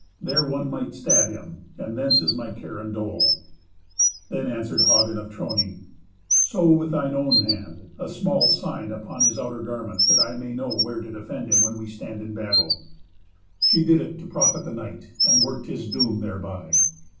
There one might stab him, and thence is my care and dole." Then answered Hagen of Trony, "Sew, with thine own hand, a small sign upon his outer garment, that I may know where to defend him when we stand in battle." She did it to profit the knight, and worked his doom thereby.